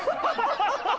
ハハハハ！